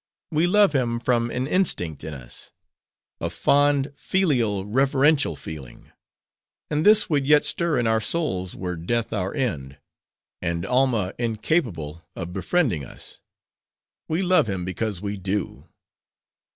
We love him from, an instinct in us;—a fond, filial, reverential feeling. And this would yet stir in our souls, were death our end; and Alma incapable of befriending us. We love him because we do."